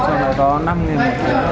phòng trong này có năm đồng